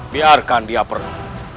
biarkan dia pergi